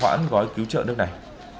quản gói cứu trợ nước này